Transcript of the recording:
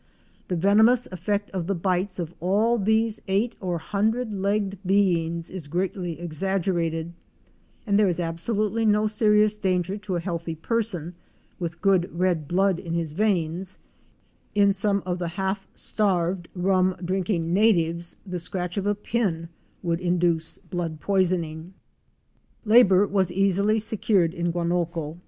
The venomous effect of the bites of all these eight or hundred legged beings is greatly exaggerated, and there is absolutely no serious dan ger to a healthy person with good red blood in his veins; in some of the half starved, rum drinking natives the scratch of a pin would induce blood poisoning. Labor was easily secured in Guanoco.